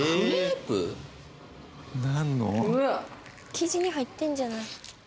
生地に入ってるんじゃない？